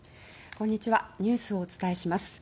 こんにちはニュースをお伝えします。